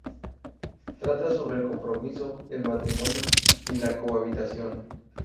Trata sobre el compromiso, el matrimonio y la cohabitación.